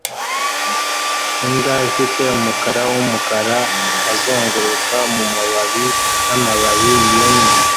Imbwa ifite umukara wumukara uzunguruka mumababi n'amababi yumye